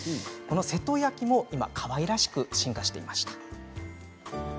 瀬戸焼もかわいらしく進化していました。